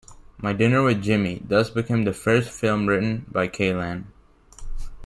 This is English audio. "My Dinner With Jimi" thus became the first film written by Kaylan.